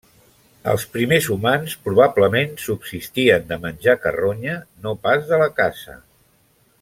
Els primers humans probablement subsistien de menjar carronya, no pas de la caça.